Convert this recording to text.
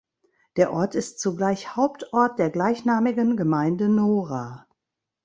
Der Ort ist zugleich Hauptort der gleichnamigen Gemeinde Nora.